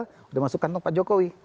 sudah masuk kantong pak jokowi